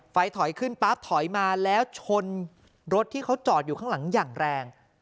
ไฟถอยขึ้นปั๊บถอยมาแล้วชนรถที่เขาจอดอยู่ข้างหลังอย่างแรง